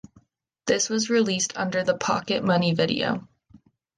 This was released under "The Pocket Money Video".